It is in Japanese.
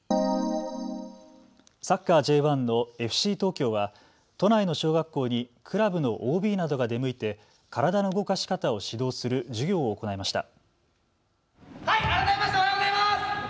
サッカーＪ１のＦＣ東京は都内の小学校にクラブのＯＢなどが出向いて体の動かし方を指導する授業を行いました。